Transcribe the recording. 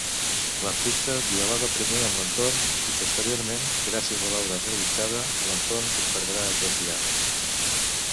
L'artista dialoga primer amb l'entorn i, posteriorment, gràcies a l'obra realitzada, l'entorn conservarà aquest diàleg.